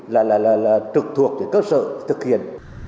là trực thuộc để cơ sở thực hiện